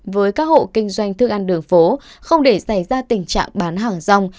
với các hộ kinh doanh thức ăn đường phố không để xảy ra tình trạng bán hàng rong